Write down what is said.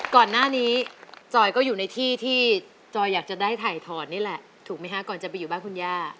ก่อนหน้านี้จอยก็อยู่ในที่ที่จอยอยากจะได้ถ่ายทอดนี่แหละถูกไหมคะก่อนจะไปอยู่บ้านคุณย่า